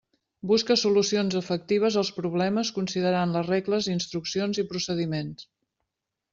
Busca solucions efectives als problemes considerant les regles, instruccions i procediments.